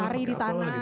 cari di tanah